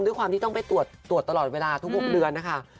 ด้วยความที่ต้องไปตรวจตลอดเวลาทุก๖เดือนนะคะ